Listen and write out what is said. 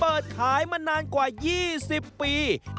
เปิดขายมานานกว่า๒๐ปี